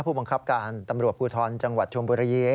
ผู้บังคับการตำรวจภูทรจังหวัดชมบุรี